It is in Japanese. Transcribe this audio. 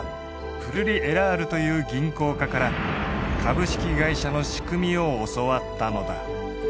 フリュリ・エラールという銀行家から株式会社の仕組みを教わったのだ。